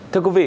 thưa quý vị